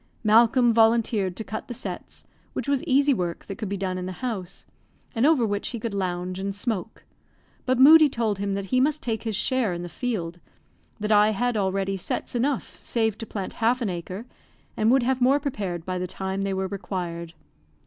Malcolm volunteered to cut the sets, which was easy work that could be done in the house, and over which he could lounge and smoke; but Moodie told him that he must take his share in the field, that I had already sets enough saved to plant half an acre, and would have more prepared by the time they were required.